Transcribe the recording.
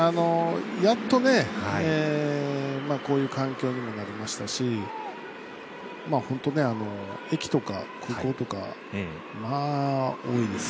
やっとこういう環境にもなりましたし本当、駅とか空港とかまあ、多いです。